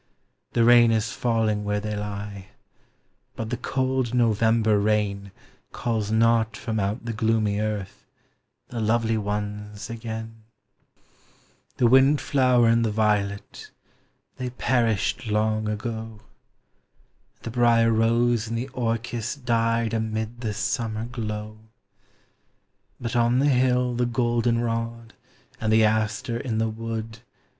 The rain is falling where they lie; but the cold November rain Calls not from out the gloomy earth the lovely ones again. % The wind flower and the violet, they perished long ago. And the brier rose and the orchis died amid the summer glow ; But on the hill the golden rod, and the aster in the wood.